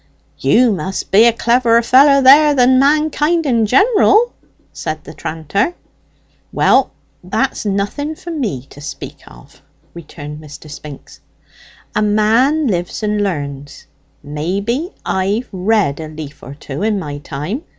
"You must be a cleverer feller, then, than mankind in jineral," said the tranter. "Well, that's nothing for me to speak of," returned Mr. Spinks. "A man lives and learns. Maybe I've read a leaf or two in my time.